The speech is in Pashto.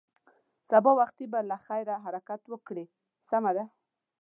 سبا وختي به له خیره حرکت وکړې، سمه ده.